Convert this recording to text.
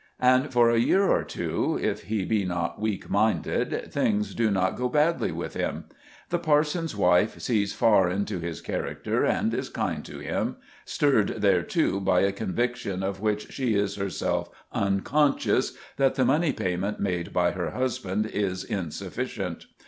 And for a year or two, if he be not weak minded, things do not go badly with him. The parson's wife sees far into his character, and is kind to him, stirred thereto by a conviction of which she is herself unconscious, that the money payment made by her husband is insufficient.